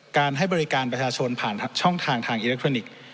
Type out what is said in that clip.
ให้บริการประชาชนผ่านช่องทางทางอิเล็กทรอนิกส์